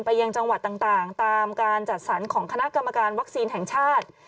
ยังจังหวัดต่างตามการจัดสรรของคณะกรรมการวัคซีนแห่งชาติ